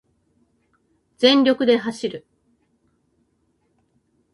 全力で走る